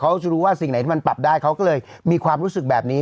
เขาจะรู้ว่าสิ่งไหนที่มันปรับได้เขาก็เลยมีความรู้สึกแบบนี้